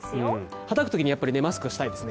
はたくときに、マスクしたいですね。